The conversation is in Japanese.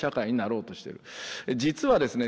実はですね